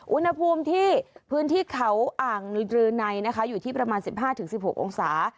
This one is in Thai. อุณหภูมิที่พื้นที่เขาอ่างดรือในนะคะอยู่ที่ประมาณ๑๕๑๖องศา